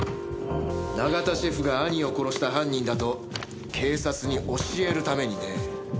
永田シェフが兄を殺した犯人だと警察に教えるためにね。